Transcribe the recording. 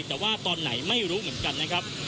แต่ว่าตอนไหนไม่รู้เหมือนกันนะครับ